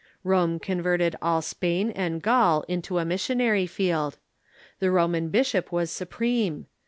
Rome converted all Spain and Gaul into a missionary field. The Roman bishop was supreme.